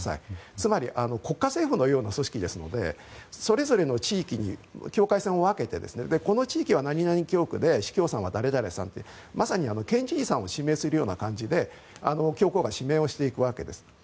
つまり国家政府のような組織ですのでそれぞれの地域に境界線を分けてこの地域は何々教区で司教さんは誰々と県知事を指名する感じで教皇が指名していくわけです。